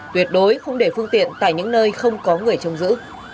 tuyệt đối không để phương tiện tại những nơi không có người trông giữ